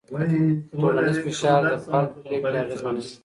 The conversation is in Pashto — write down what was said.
ټولنیز فشار د فرد پرېکړې اغېزمنوي.